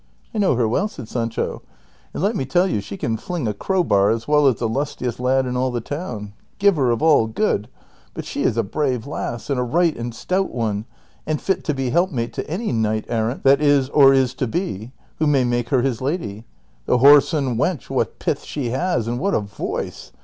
" I know her well," said Sancho, '• and let me tell yon she can fling a crowbar as well as the lustiest lad in all the town. Giver of all good ! but she is a brave lass, and a right and stout one, and fit to be helpmate to any knight errant that is or is to be, who may make her his lady : the whoreson wench, what pith she has and what a voice